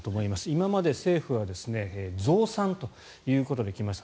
今まで政府は増産ということで来ました。